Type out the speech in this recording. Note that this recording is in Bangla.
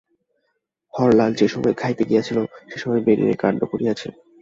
হরলাল যে সময় খাইতে গিয়াছিল সেই সময় বেণু এই কাণ্ড করিয়াছে।